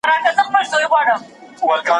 پښتو ژبي او د «افغان» ضد نومونو پر محور ولاړ